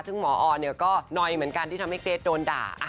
ซึ่งหมอออนก็น้อยเหมือนกันที่ทำให้เกรทโดนด่า